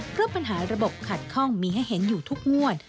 เพราะปัญหาระบบขัดข้องมีให้เห็นอยู่ทุกงวด